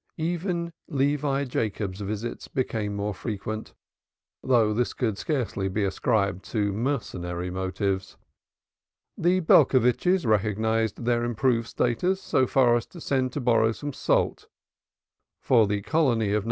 Even Levi Jacob's visits became more frequent, though this could scarcely be ascribed to mercenary motives. The Belcovitches recognized their improved status so far as to send to borrow some salt: for the colony of No.